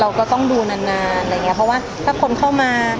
เราก็ต้องดูนานเพราะว่าถ้าคนเข้ามา